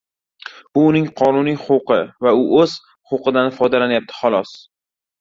Bu uning qonuniy huquqi va u oʻz huquqidan foydalanyapti holos.